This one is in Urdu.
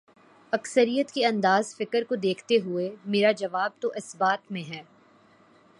اکثریت کے انداز فکر کو دیکھتے ہوئے، میرا جواب تو اثبات میں ہے۔